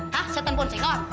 hah setan pun singor